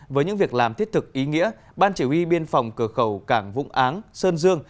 với những việc làm thiết thực ý nghĩa ban chỉ huy biên phòng cửa khẩu cảng vũng áng sơn dương